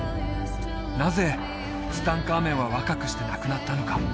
なぜツタンカーメンは若くして亡くなったのか？